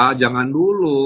apa spa jangan dulu